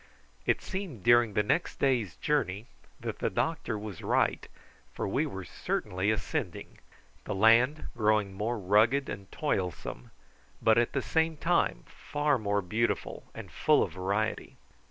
It seemed during the next day's journey that the doctor was right, for we were certainly ascending, the land growing more rugged and toilsome, but at the same time far more beautiful and full of variety.